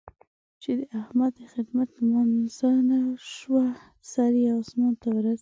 چې د احمد د خدمت لمانځه شوه؛ سر يې اسمان ته ورسېد.